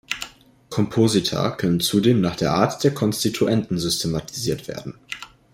Komposita können zudem nach der Art der Konstituenten systematisiert werden.